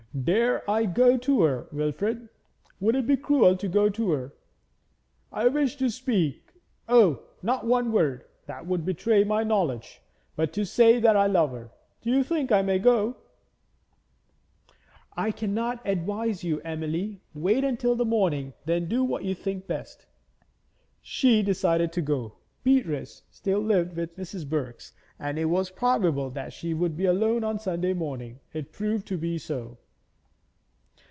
'Dare I go to her, Wilfrid? Would it be cruel to go to her? I wish to speak oh, not one word that would betray my knowledge, but to say that I love her. Do you think I may go?' 'I cannot advise you, Emily. Wait until the morning and do then what you think best.' She decided to go. Beatrice still lived with Mrs. Birks, and it was probable that she would be alone on Sunday morning. It proved to be so.